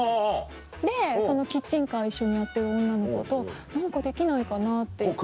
でそのキッチンカー一緒にやってる女の子と「何かできないかな」って言って。